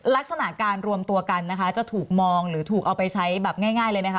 ลักษณะการรวมตัวกันนะคะจะถูกมองหรือถูกเอาไปใช้แบบง่ายเลยนะคะ